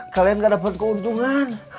kalian gak dapet keuntungan